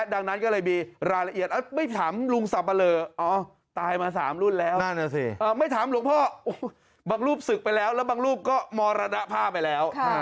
ดังนั้นก็เลยมีรายละเอียดเอ๊ะไม่ถามลุงสับปะ